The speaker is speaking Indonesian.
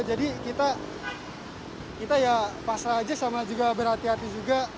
jadi kita ya pasrah aja sama juga berhati hati juga